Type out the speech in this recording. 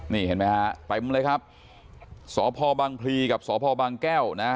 นี่เห็นไหมฮะเต็มเลยครับสพบังพลีกับสพบางแก้วนะฮะ